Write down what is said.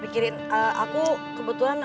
pikirin aku kebetulan